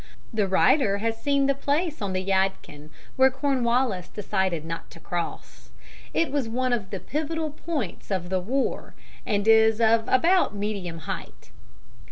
The writer has seen the place on the Yadkin where Cornwallis decided not to cross. It was one of the pivotal points of the war, and is of about medium height.